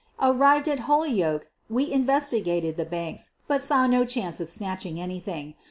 Arrived at Holyoke we investigated the banks, but saw no chance of snatching anything.